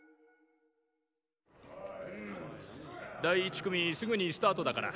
第１組すぐにスタートだから。